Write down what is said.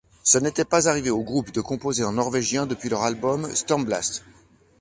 Ce n'était pas arrivé au groupe de composer en norvégien depuis leur album Stormblast.